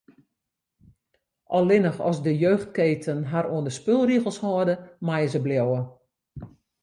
Allinnich as de jeugdketen har oan de spulregels hâlde, meie se bliuwe.